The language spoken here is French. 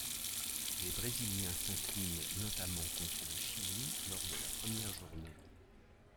Les Brésiliens s'inclinent notamment contre le Chili, lors de la première journée.